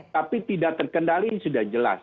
tapi tidak terkendali sudah jelas